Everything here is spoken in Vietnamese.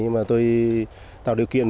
nhưng mà tôi tạo điều kiện